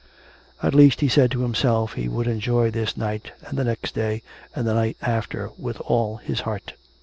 At least, he said to himself, he would enjoy this night and the next day and the night after, with all his heart.